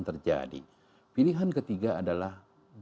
terjadi pilihan ketiga adalah